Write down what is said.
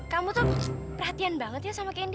kamu tuh perhatian banget ya sama kendi